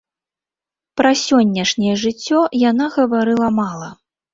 Пра сённяшняе жыццё яна гаварыла мала.